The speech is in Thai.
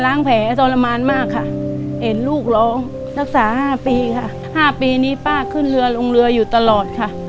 ตอนนี้ก็หายดีแล้วค่ะแต่สติปัญญามิเหมือนเดิมค่ะ